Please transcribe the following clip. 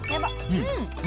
うん！